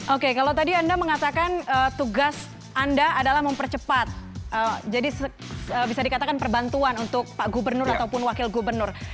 oke kalau tadi anda mengatakan tugas anda adalah mempercepat jadi bisa dikatakan perbantuan untuk pak gubernur ataupun wakil gubernur